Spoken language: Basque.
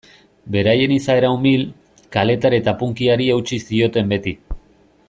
Beraien izaera umil, kaletar eta punkyari eutsi zioten beti.